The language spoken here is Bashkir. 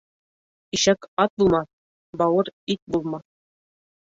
Ишәк ат булмаҫ, бауыр ит булмаҫ.